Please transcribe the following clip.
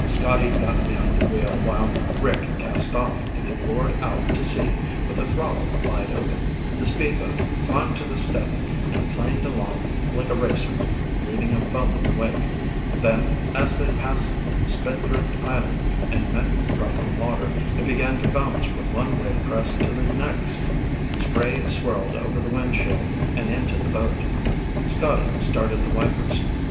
Scotty got behind the wheel while Rick cast off and they roared out to sea with the throttle wide open. The speedboat climbed to the step and planed along like a racer, leaving a foaming wake. Then, as they passed Spindrift Island and met rougher water, it began to bounce from one wave crest to the next. Spray swirled over the windshield and into the boat. Scotty started the wipers.